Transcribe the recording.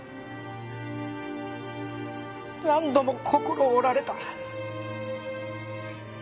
何度も心を折られた。